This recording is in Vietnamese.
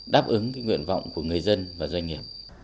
đáp ứng cái nguyện vọng của người dân và doanh nghiệp